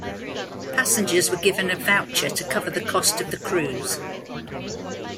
Passengers were given a voucher to cover the cost of the cruise.